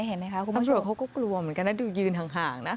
ตำรวจก็กลัวเหมือนกันดูหยืนห่างนะ